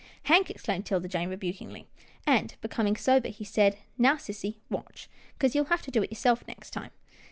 " Hank !" exclaimed 'Tilda Jane rebukingly, and, becoming sober, he said, " Now sissy, watch, 'cause you'll have to do it yourself next time.